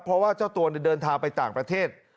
เพราะว่าเจ้าตัวเดินทางไปต่างประเทศ